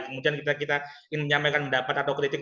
kemudian kita ingin menyampaikan pendapat atau kritik